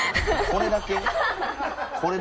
これだけで？